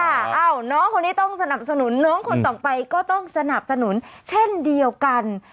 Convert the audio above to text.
เอ้าน้องคนนี้ต้องสนับสนุนน้องคนต่อไปก็ต้องสนับสนุนเช่นเดียวกัน